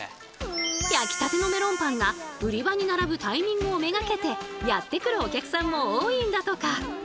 焼きたてのメロンパンが売り場に並ぶタイミングを目がけてやって来るお客さんも多いんだとか。